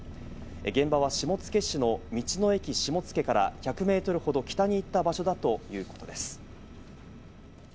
現場は下野市の「道の駅しもつけ」から１００メートルほど北に行った場所だということです。